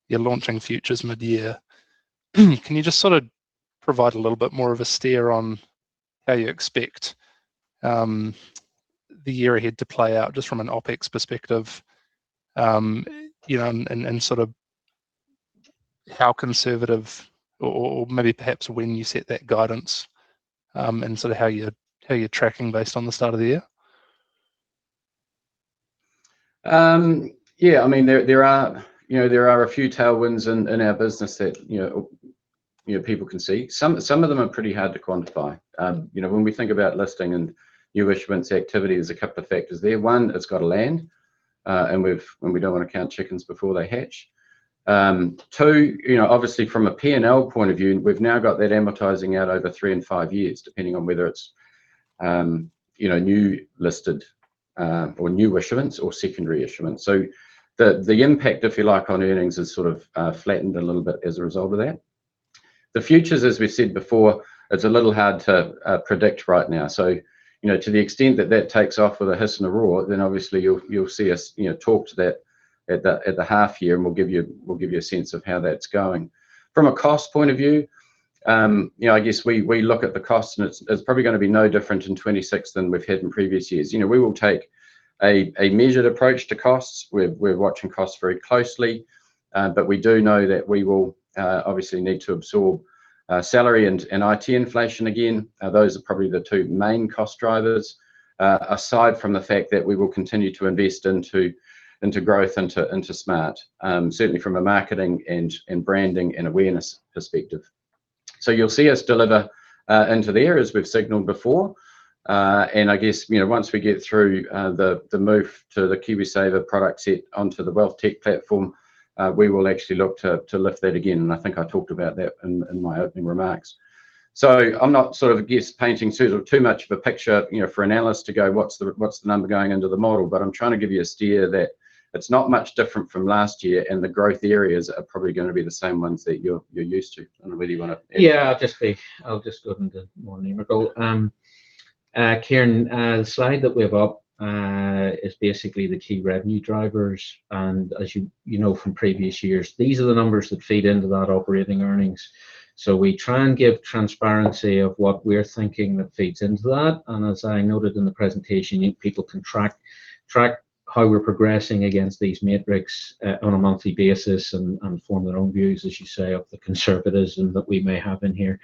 You're launching futures midyear. Can you just sort of provide a little bit more of a steer on how you expect the year ahead to play out, just from an OpEx perspective? You know, and sort of how conservative or maybe perhaps when you set that guidance, and sort of how you're tracking based on the start of the year? Yeah, I mean, there are, you know, there are a few tailwinds in our business that, you know, people can see. Some of them are pretty hard to quantify. You know, when we think about listing and new issuance activity, there's a couple of factors there. One, it's got to land, and we don't want to count chickens before they hatch. Two, you know, obviously from a P&L point of view, we've now got that amortizing out over three and five years, depending on whether it's, you know, new listed, or new issuance or secondary issuance. The impact, if you like, on earnings has sort of flattened a little bit as a result of that. The futures, as we said before, it's a little hard to predict right now. You know, to the extent that that takes off with a hiss and a roar, then obviously you'll see us, you know, talk to that at the half year, and we'll give you a sense of how that's going. From a cost point of view, you know, I guess we look at the cost and it's probably gonna be no different in 26 than we've had in previous years. You know, we will take a measured approach to costs. We're watching costs very closely, but we do know that we will obviously need to absorb salary and IT inflation again. Those are probably the two main cost drivers, aside from the fact that we will continue to invest into growth, into Smart, certainly from a marketing and branding and awareness perspective. You'll see us deliver into there as we've signaled before. I guess, you know, once we get through the move to the KiwiSaver product set onto the WealthTech platform, we will actually look to lift that again, and I think I talked about that in my opening remarks. I'm not sort of, I guess, painting too much of a picture, you know, for an analyst to go, "What's the number going into the model?" I'm trying to give you a steer that it's not much different from last year, and the growth areas are probably gonna be the same ones that you're used to. I'll just go into more numerical. Kieran, the slide that we have up is basically the key revenue drivers, and as you know, from previous years, these are the numbers that feed into that operating earnings. We try and give transparency of what we're thinking that feeds into that. As I noted in the presentation, people can track how we're progressing against these metrics on a monthly basis and form their own views, as you say, of the conservatism that we may have in here.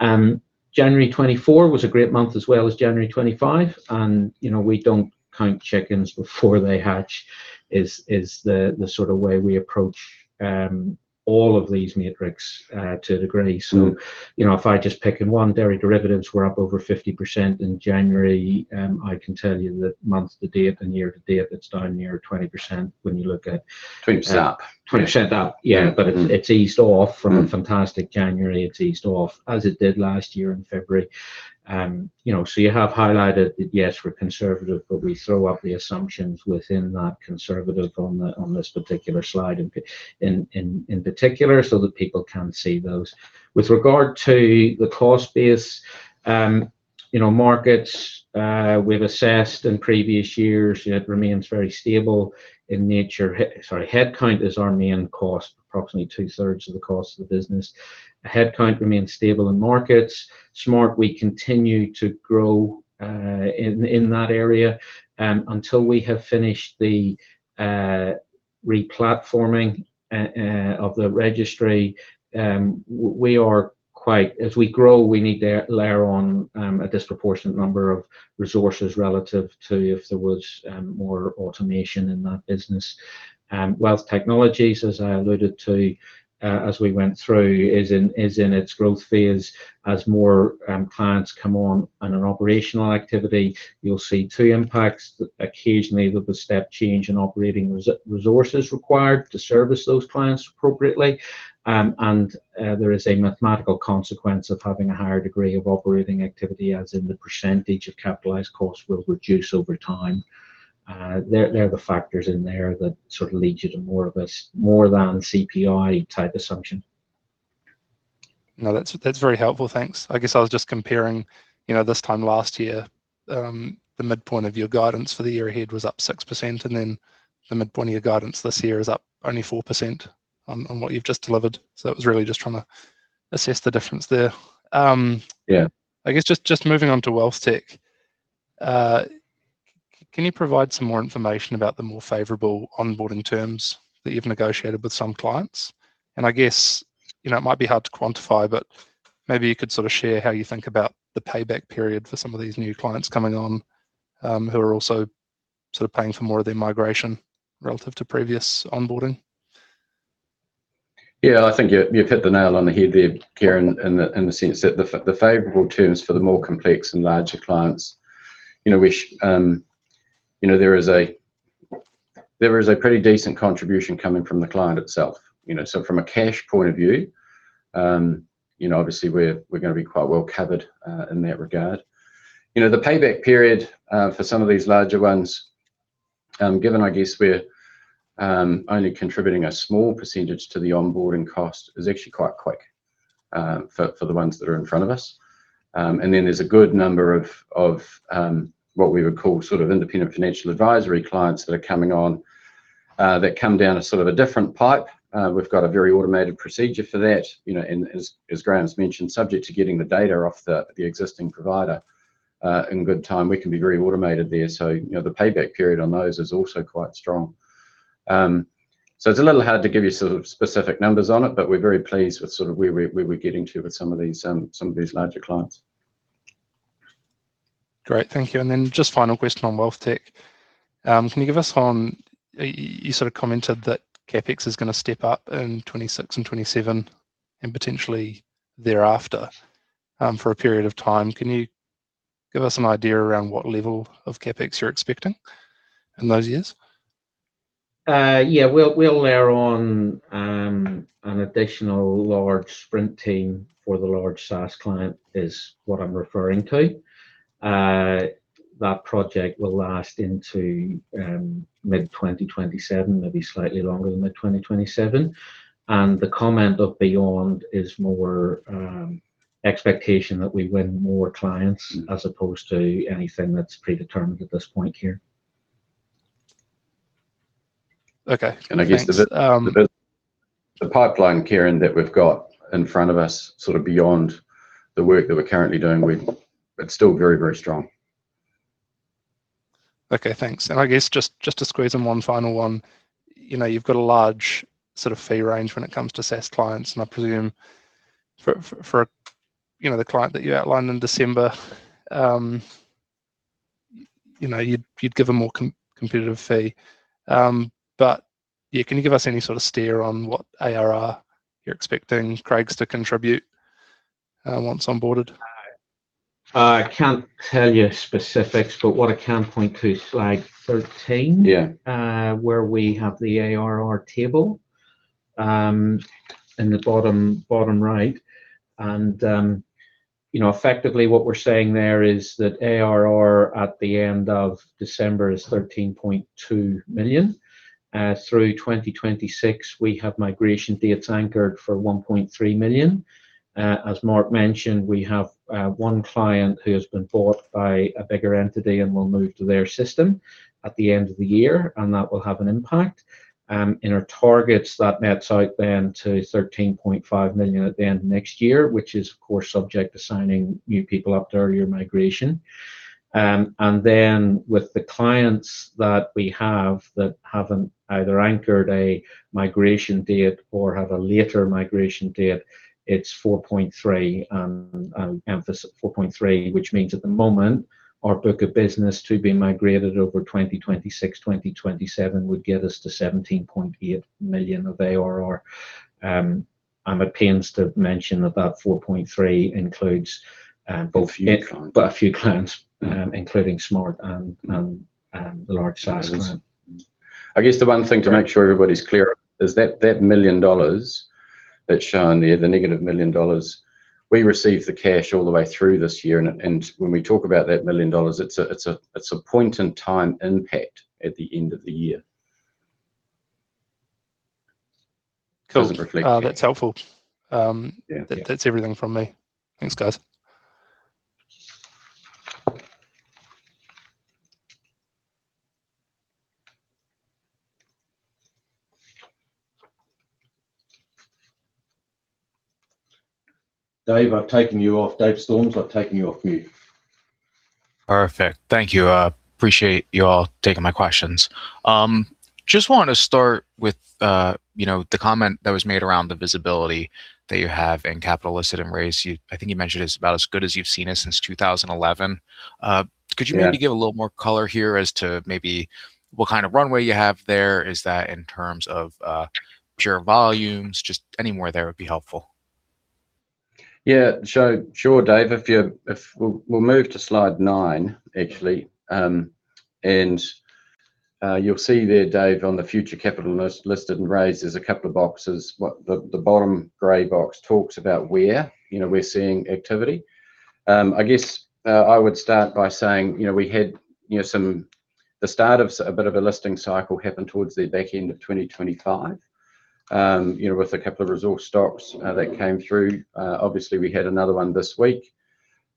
January 2024 was a great month, as well as January 2025. You know, we don't count chickens before they hatch, is the sort of way we approach all of these metrics to a degree you know, if I just pick in one, dairy derivatives were up over 50% in January, I can tell you that month to date and year to date, it's down near 20%. 20% up. 20% up, yeah. It's eased off from a fantastic January. It's eased off, as it did last year in February. You know, you have highlighted that, yes, we're conservative, but we throw up the assumptions within that conservative on this particular slide in particular, so that people can see those. With regard to the cost base, you know, markets, we've assessed in previous years, it remains very stable in nature. Sorry, headcount is our main cost, approximately two-thirds of the cost of the business. Headcount remains stable in markets. Smart, we continue to grow in that area, until we have finished the re-platforming of the registry. We are quite. As we grow, we need to layer on a disproportionate number of resources relative to if there was more automation in that business. Wealth Technologies, as I alluded to, as we went through, is in its growth phase. As more clients come on in an operational activity, you'll see two impacts. Occasionally, there'll be a step change in operating resources required to service those clients appropriately. There is a mathematical consequence of having a higher degree of operating activity, as in the percentage of capitalized costs will reduce over time. They're the factors in there that sort of lead you to more of a more than CPI type assumption. No, that's very helpful. Thanks. I guess I was just comparing, you know, this time last year, the midpoint of your guidance for the year ahead was up 6%, the midpoint of your guidance this year is up only 4% on what you've just delivered. I was really just trying to assess the difference there. I guess just moving on to WealthTech. Can you provide some more information about the more favorable onboarding terms that you've negotiated with some clients? I guess, you know, it might be hard to quantify, but maybe you could sort of share how you think about the payback period for some of these new clients coming on, who are also sort of paying for more of their migration relative to previous onboarding. Yeah, I think you've hit the nail on the head there, Kieran, in the sense that the favorable terms for the more complex and larger clients, you know, which, you know, there is a pretty decent contribution coming from the client itself. You know, from a cash point of view, you know, obviously, we're gonna be quite well covered in that regard. You know, the payback period, for some of these larger ones, given, I guess, we're only contributing a small % to the onboarding cost, is actually quite quick for the ones that are in front of us. There's a good number of, what we would call sort of independent financial advisory clients that are coming on, that come down a sort of a different pipe. We've got a very automated procedure for that, you know, and as Graham's mentioned, subject to getting the data off the existing provider, in good time, we can be very automated there. You know, the payback period on those is also quite strong. It's a little hard to give you sort of specific numbers on it, but we're very pleased with sort of where we're getting to with some of these, some of these larger clients. Great. Thank you. Then just final question on Wealthtech. You sort of commented that CapEx is gonna step up in 26 and 27, and potentially thereafter, for a period of time. Can you give us an idea around what level of CapEx you're expecting in those years? Yeah, we'll layer on an additional large sprint team for the large SaaS client, is what I'm referring to. That project will last into mid-2027, maybe slightly longer than mid-2027. The comment of beyond is more expectation that we win more clients as opposed to anything that's predetermined at this point, Kieran. Okay, thanks. I guess the pipeline, Kieran, that we've got in front of us, sort of beyond the work that we're currently doing, it's still very strong. Okay, thanks. I guess just to squeeze in one final one. You know, you've got a large sort of fee range when it comes to SaaS clients, and I presume for, you know, the client that you outlined in December, you know, you'd give a more competitive fee. Yeah, can you give us any sort of steer on what ARR you're expecting Craigs to contribute once onboarded? I can't tell you specifics, but what I can point to is slide 13 where we have the ARR table in the bottom right. You know, effectively, what we're saying there is that ARR at the end of December is 13.2 million. Through 2026, we have migration dates anchored for 1.3 million. As Mark mentioned, we have one client who has been bought by a bigger entity and will move to their system at the end of the year, and that will have an impact. In our targets, that nets out then to 13.5 million at the end of next year, which is, of course, subject to signing new people up to earlier migration. Then with the clients that we have that haven't either anchored a migration date or have a later migration date, it's 4.3, emphasis on 4.3, which means at the moment, our book of business to be migrated over 2026, 2027, would get us to 17.8 million of ARR. I'm at pains to mention that that 4.3 includes a few clients, including Smart and the large SaaS client. I guess the one thing to make sure everybody's clear, is that that 1 million dollars that's shown there, the negative 1 million dollars, we received the cash all the way through this year, and when we talk about that 1 million dollars, it's a point-in-time impact at the end of the year. Cool. Doesn't reflect. That's helpful. That's everything from me. Thanks, guys. Dave, I've taken you off. Dave Storms, I've taken you off mute. Perfect. Thank you. I appreciate you all taking my questions. Just want to start with, you know, the comment that was made around the visibility that you have in capital listed and raised. I think you mentioned it's about as good as you've seen it since 2011. could you maybe give a little more color here as to maybe what kind of runway you have there? Is that in terms of pure volumes? Just any more there would be helpful. Sure, Dave. We'll move to slide nine, actually. You'll see there, Dave, on the future capital list, listed and raised, there's a couple of boxes. The bottom gray box talks about where, you know, we're seeing activity. I guess, I would start by saying, you know, we had, you know, the start of a bit of a listing cycle happen towards the back end of 2025, you know, with a couple of resource stocks that came through. Obviously, we had another one this week.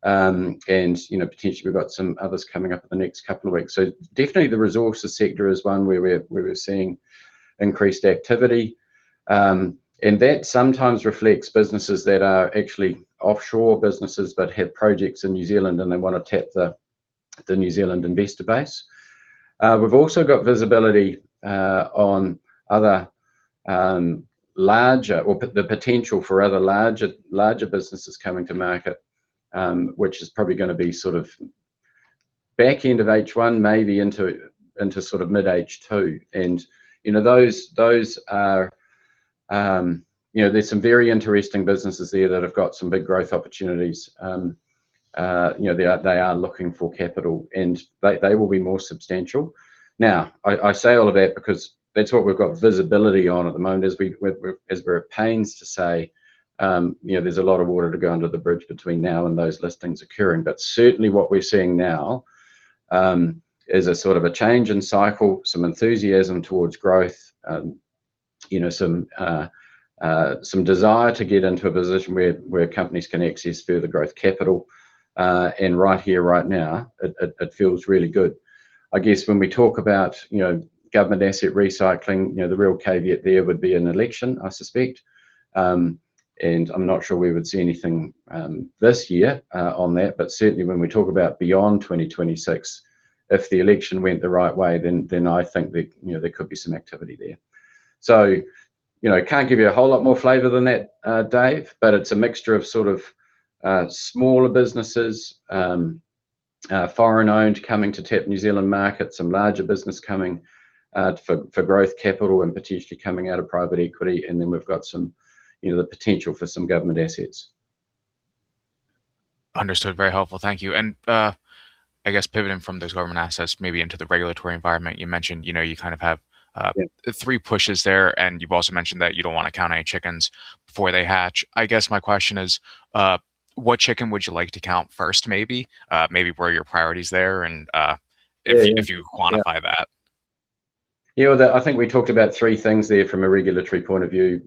Potentially we've got some others coming up in the next couple of weeks. Definitely the resources sector is one where we're seeing increased activity. That sometimes reflects businesses that are actually offshore businesses, but have projects in New Zealand, and they wanna tap the New Zealand investor base. We've also got visibility on other potential for other larger businesses coming to market, which is probably gonna be sort of back end of H1, maybe into sort of mid H2. You know, those are, you know, there's some very interesting businesses there that have got some big growth opportunities. You know, they are looking for capital, and they will be more substantial. Now, I say all of that because that's what we've got visibility on at the moment, as we're at pains to say, you know, there's a lot of water to go under the bridge between now and those listings occurring. Certainly what we're seeing now, is a sort of a change in cycle, some enthusiasm towards growth, you know, some desire to get into a position where companies can access further growth capital. Right here, right now, it feels really good. I guess when we talk about, you know, government asset recycling, you know, the real caveat there would be an election, I suspect. I'm not sure we would see anything this year on that, but certainly when we talk about beyond 2026, if the election went the right way, then I think there, you know, there could be some activity there. You know, can't give you a whole lot more flavor than that, Dave, but it's a mixture of sort of, smaller businesses, foreign-owned, coming to tap New Zealand market, some larger business coming for growth capital and potentially coming out of private equity, and then we've got some, you know, the potential for some government assets. Understood. Very helpful, thank you. I guess pivoting from those government assets maybe into the regulatory environment, you mentioned, you know, you kind of have three pushes there, and you've also mentioned that you don't wanna count any chickens before they hatch. I guess my question is, what chicken would you like to count first, maybe? Maybe where are your priorities there and if you quantify that? You know, I think we talked about three things there from a regulatory point of view.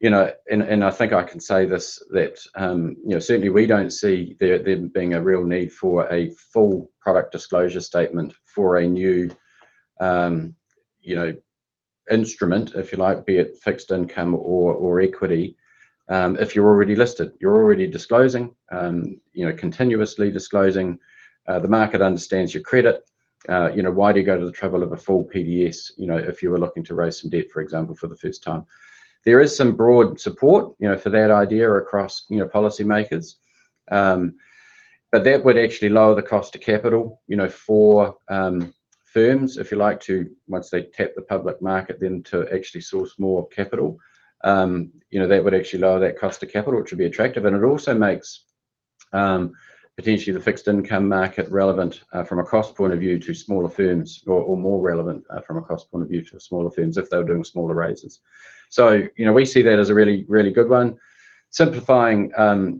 You know, I think I can say this, that, you know, certainly we don't see there being a real need for a full Product Disclosure Statement for a new, you know, instrument, if you like, be it fixed income or equity. If you're already listed, you're already disclosing, you know, continuously disclosing, the market understands your credit. You know, why do you go to the trouble of a full PDS, you know, if you were looking to raise some debt, for example, for the first time? There is some broad support, you know, for that idea across, you know, policymakers. That would actually lower the cost of capital, you know, for firms, if you like, to, once they tap the public market, then to actually source more capital. You know, that would actually lower that cost to capital, which would be attractive, and it also makes potentially the fixed income market relevant from a cost point of view to smaller firms or more relevant from a cost point of view to smaller firms if they were doing smaller raises. You know, we see that as a really, really good one. Simplifying,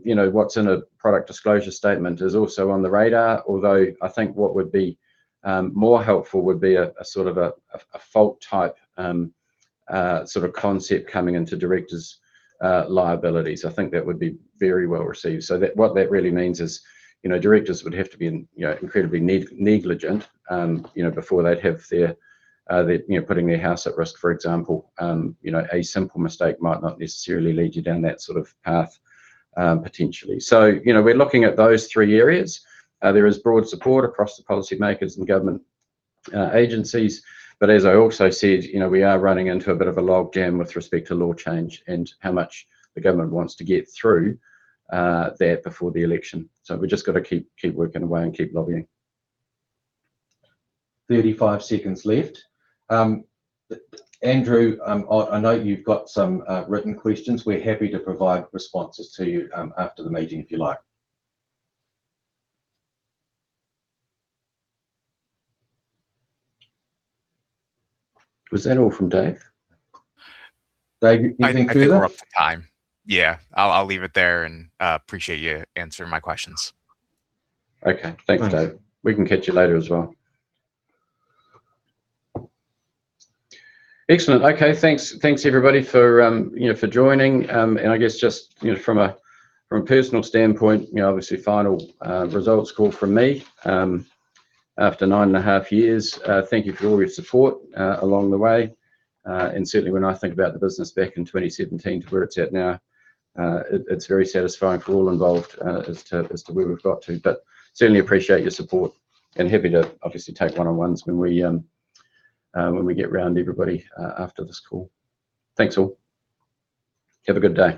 you know, what's in a product disclosure statement is also on the radar. Although, I think what would be more helpful would be a sort of a fault-type sort of concept coming into directors' liabilities. I think that would be very well received. What that really means is, you know, directors would have to be incredibly negligent, you know, before they'd have their, you know, putting their house at risk, for example. You know, a simple mistake might not necessarily lead you down that sort of path, potentially. You know, we're looking at those three areas. There is broad support across the policymakers and government agencies, but as I also said, you know, we are running into a bit of a logjam with respect to law change and how much the government wants to get through that before the election. We've just gotta keep working away and keep lobbying. 35 seconds left. Andrew, I know you've got some written questions. We're happy to provide responses to you after the meeting, if you like. Was that all from Dave? Dave, you think that's it? I think we're out of time. Yeah, I'll leave it there, and appreciate you answering my questions. Okay. Thanks, Dave. We can catch you later, as well. Excellent. Okay, thanks everybody for, you know, for joining. I guess just, you know, from a, from a personal standpoint, you know, obviously final, results call from me, after nine and a half years. Thank you for all of your support, along the way, and certainly when I think about the business back in 2017 to where it's at now, it's very satisfying for all involved, as to where we've got to. Certainly appreciate your support, and happy to obviously take one-on-ones when we, when we get round to everybody after this call. Thanks, all. Have a good day.